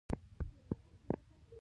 الله تعالی شرک نه بخښي